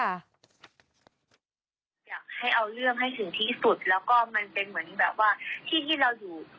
อยากให้เอาเรื่องให้ถึงที่สุดแล้วก็มันเป็นเหมือนแบบว่าที่ที่เราอยู่